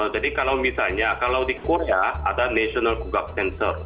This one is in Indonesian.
jadi kalau misalnya di korea ada national kugak center